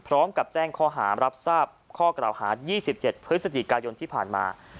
พร้อมกับแจ้งข้อหารับทราบข้อกล่าวหา๒๗พฤศจิกายนที่ผ่านมา